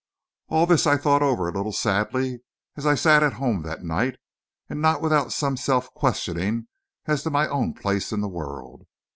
All this I thought over a little sadly, as I sat at home that night; and not without some self questioning as to my own place in the world.